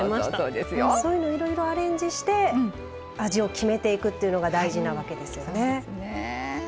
いろいろアレンジして味を決めていくっていうのが大事なわけですね。